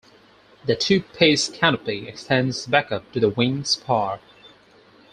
The two-piece canopy extends back up to the wing spar.